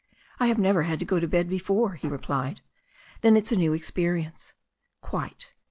"I have never had to go to bed before," he replied. "Then, it's a new experience." "Quite."